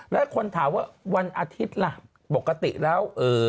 แล้วคนถามว่าวันอาทิตย์ล่ะปกติแล้ว